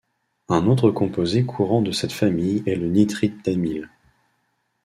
Un autre composé courant de cette famille est le nitrite d'amyle.